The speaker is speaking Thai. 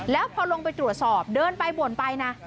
แล้วพอลงไปตรวจสอบเดินไปบ่นไปนะ